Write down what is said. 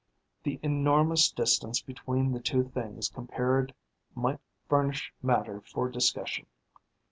The enormous distance between the two things compared might furnish matter for discussion.